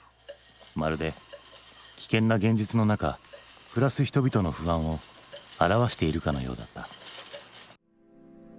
まるで危険な現実の中暮らす人々の不安を表しているかのようだった。